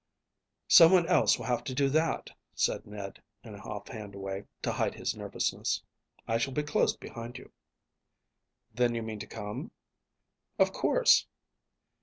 "Some one else will have to do that," said Ned, in an off hand way, to hide his nervousness. "I shall be close behind you." "Then you mean to come?" "Of course."